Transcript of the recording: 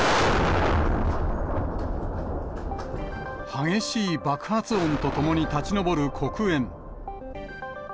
激しい爆発音とともに立ち上る黒煙。